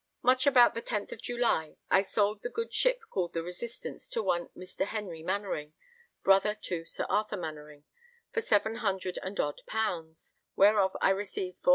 Much about the 10th July, I sold the good ship called the Resistance to one Mr. Henry Mainwaring, brother to Sir Arthur Mainwaring, for 700 and odd pounds, whereof I received 450_l.